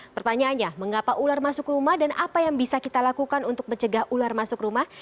pertanyaannya mengapa ular masuk rumah dan apa yang bisa kita lakukan untuk mencegah ular masuk rumah